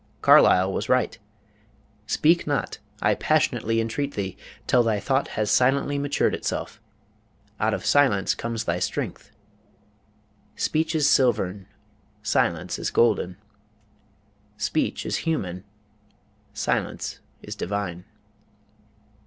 Carlyle was right: "Speak not, I passionately entreat thee, till thy thought has silently matured itself. Out of silence comes thy strength. Speech is silvern, Silence is golden; Speech is human, Silence is divine."